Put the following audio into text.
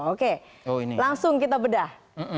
oke langsung kita bedah